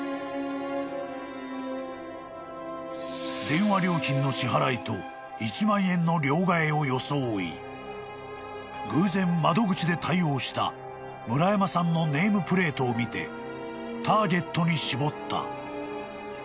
［電話料金の支払いと１万円の両替を装い偶然窓口で対応した村山さんのネームプレートを見てターゲットに絞った］